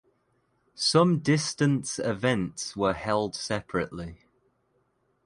Some distance events were held separately.